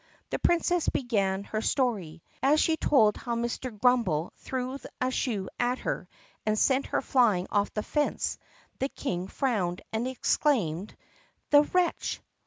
The Princess began .her story. As she told how Mr. Grumm bel threw a shoe at her and sent her flying off the fence the King frowned and exclaimed, "The wretch!"